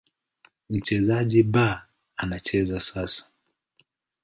Mchezaji B anacheza sasa.